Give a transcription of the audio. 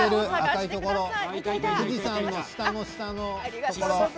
富士山の下の下のところ。